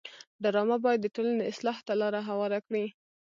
ډرامه باید د ټولنې اصلاح ته لاره هواره کړي